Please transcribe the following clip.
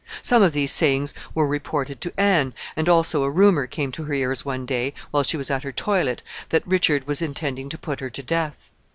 Some of these sayings were reported to Anne, and also a rumor came to her ears one day, while she was at her toilet, that Richard was intending to put her to death.